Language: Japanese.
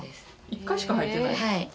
１回しか履いてない？